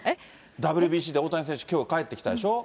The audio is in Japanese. ＷＢＣで大谷選手、きょう、帰ってきたでしょ？